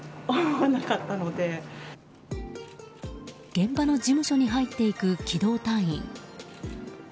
現場の事務所に入っていく機動隊員。